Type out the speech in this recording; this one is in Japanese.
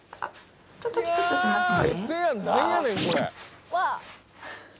ちょっとちくっとしますね。